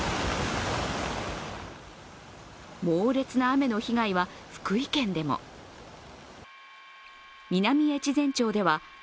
猛烈な雨の被害は福井県でも南越前町では